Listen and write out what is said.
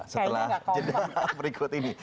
setelah jeda berikut ini